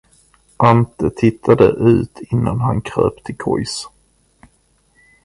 Ante tittade ut innan han kröp till kojs.